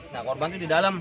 nah korban itu di dalam